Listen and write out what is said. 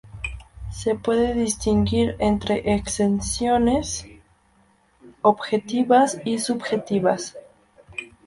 Se puede distinguir entre exenciones objetivas y subjetivas.